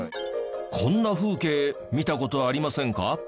こんな風景見た事ありませんか？